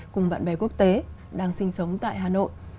cùng bạn bè quốc tế đang sinh sống tại hà nội